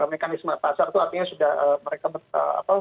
mekanisme pasar itu artinya sudah mereka